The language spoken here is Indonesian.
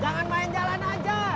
jangan main jalan aja